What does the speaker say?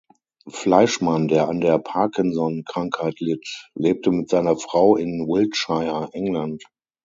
Fleischmann, der an der Parkinson-Krankheit litt, lebte mit seiner Frau in Wiltshire, England.